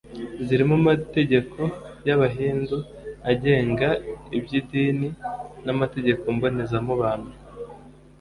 zirimo amategeko y’abahindu agenga iby’idini n’amategeko mbonezamubano